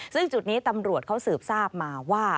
ซึ่งจุดนี้ตำรวจเขาสืบทราบมาว่า